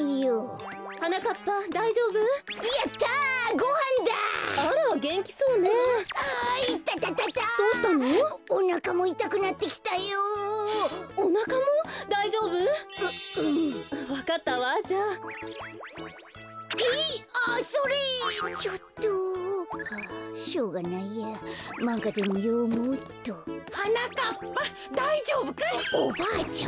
おおばあちゃん。